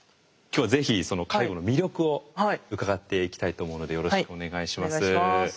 今日はぜひその介護の魅力を伺っていきたいと思うのでよろしくお願いします。